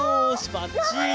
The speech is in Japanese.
ばっちり！